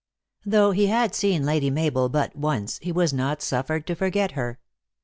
Though he had seen Lady Mabel but once, he was not suffered to forget her.